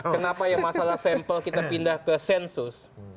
kenapa yang masalah sampel kita pindah ke sensus